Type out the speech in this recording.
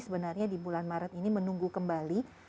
sebenarnya di bulan maret ini menunggu kembali